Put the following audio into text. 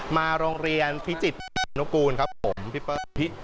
มาโรงเรียนพิจิตรนุกูลครับผมพี่เปิ้ล